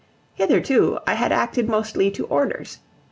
Hitherto I had acted mostly to orders.